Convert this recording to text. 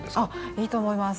いいと思います。